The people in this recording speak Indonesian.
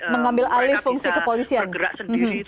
mengambil alih fungsi kepolisian